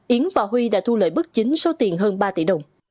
yến và huy đã thu lợi bức chính số tiền hơn ba tỷ đồng